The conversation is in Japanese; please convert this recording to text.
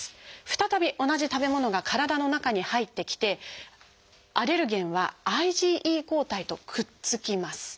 再び同じ食べ物が体の中に入ってきてアレルゲンはＩｇＥ抗体とくっつきます。